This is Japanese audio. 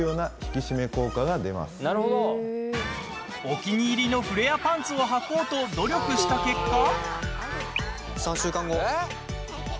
お気に入りのフレアパンツをはこうと努力した結果。